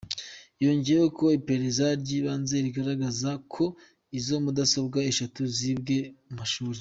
Yongeyeho ko iperereza ry’ibanze rigaragaza ko izo mudasobwa eshatu zibwe n’umunyeshuri.